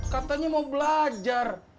katanya mau belajar